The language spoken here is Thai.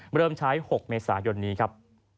เบิร์มช้ายหกเมษายนนี้ครับ